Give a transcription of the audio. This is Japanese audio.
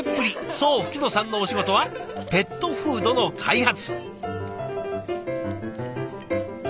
そう吹野さんのお仕事はペットフードの開発。